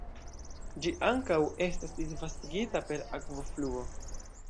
Ĝi ankaŭ estas disvastigita per akvofluo.